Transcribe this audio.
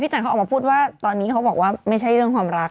จันเขาออกมาพูดว่าตอนนี้เขาบอกว่าไม่ใช่เรื่องความรัก